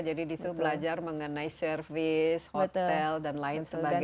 jadi disitu belajar mengenai service hotel dan lain sebagainya